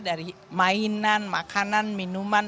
dari mainan makanan minuman